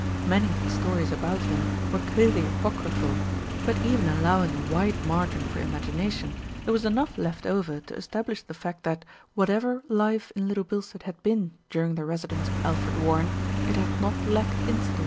Many of the stories about him were clearly apocryphal; but even allowing a wide margin for imagination, there was enough left over to establish the fact that, what ever life in Little Bilstead had been during the resi dence of Alfred Warren, it had not lacked incident.